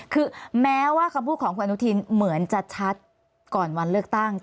คือแม้ว่าคำพูดของคุณอนุทินเหมือนจะชัดก่อนวันเลือกตั้ง